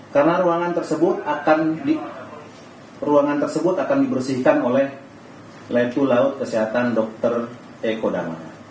karena ruangan tersebut akan dibersihkan oleh lekulaut kesehatan dokter eko damara